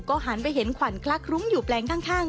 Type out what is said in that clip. หันไปเห็นขวัญคลักคลุ้งอยู่แปลงข้าง